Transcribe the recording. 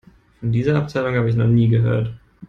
Von dieser Abteilung habe ich noch nie gehört.